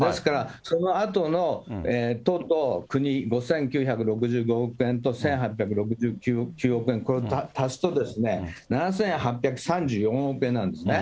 そのあとの都と国、５９６５億円と１８６９億円、これを足すとですね、７８３４億円なんですね。